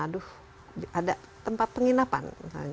aduh ada tempat penginapan